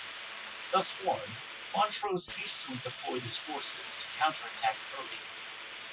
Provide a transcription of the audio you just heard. Thus warned, Montrose hastily deployed his forces to counter-attack Urry.